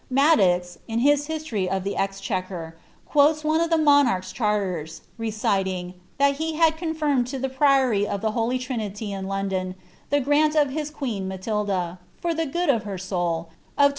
Madox, in his History of the Exchequer, quotes one of that monarch's charters, reciting ^ that he had confirmed to the Priory of the Holy Trinity in London the grant of his queen Matilda, for the good of her soul, of 25